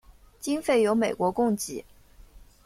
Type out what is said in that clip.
经费由美国供给。